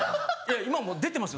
今もう出てますよ